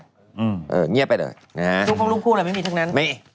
ลูกคู่มายังไม่มีทั้งนั้น